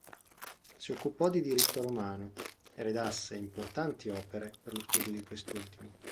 Si occupò di diritto romano e redasse importanti opere per lo studio di quest'ultimo.